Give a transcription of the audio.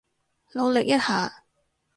努力一下